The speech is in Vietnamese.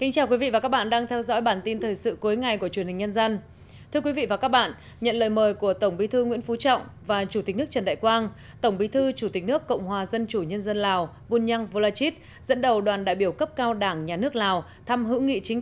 các bạn hãy đăng ký kênh để ủng hộ kênh của chúng mình nhé